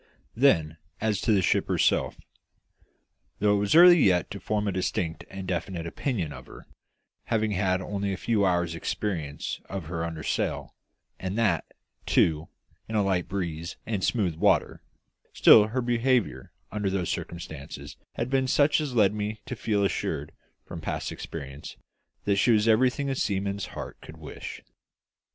Then, as to the ship herself. Though it was early yet to form a distinct and definite opinion of her, having had only a few hours' experience of her under sail, and that, too, in a light breeze and smooth water, still her behaviour under those circumstances had been such as led me to feel assured, from past experience, that she was everything a seaman's heart could wish.